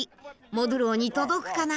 モドゥローに届くかな？